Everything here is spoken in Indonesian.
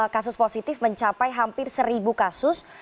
kasus positif mencapai hampir seribu kasus